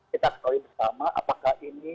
kita ketahui bersama apakah ini